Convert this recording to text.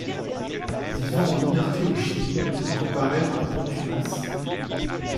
Vivant en liberté au Chili, il comparaît par contumace.